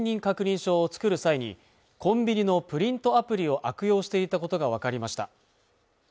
証を作る際にコンビニのプリントアプリを悪用していたことが分かりました